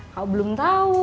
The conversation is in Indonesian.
kamu belum tahu